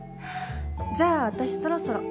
じゃあ私そろそろ。